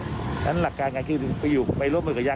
ดังนั้นหลักการการคือไปร่วมเหมือนกับยักษ์